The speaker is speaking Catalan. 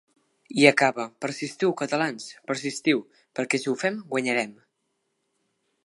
I acaba: ‘Persistiu, catalans, persistiu, perquè si ho fem, guanyarem!’